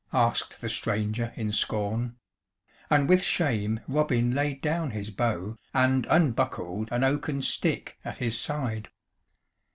asked the stranger in scorn; and with shame Robin laid down his bow, and unbuckled an oaken stick at his side.